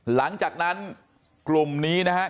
หลังจากนั้นกลุ่มนี้นะฮะ